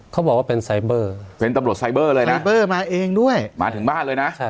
เขาบอกว่าเป็นไซเบอร์เป็นตำรวจไซเบอร์เลยนะไซเบอร์มาเองด้วยมาถึงบ้านเลยนะ